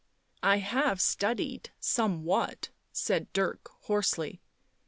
" I have studied somewhat," said Dirk hoarsely.